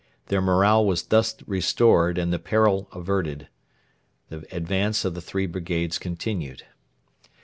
Their morale was thus restored and the peril averted. The advance of the three brigades continued.